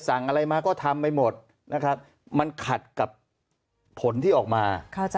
สั่งอะไรมาก็ทำไปหมดนะครับมันขัดกับผลที่ออกมา